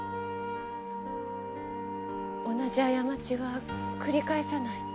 同じ過ちは繰り返さない。